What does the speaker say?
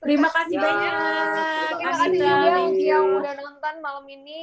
terima kasih juga yang udah nonton malam ini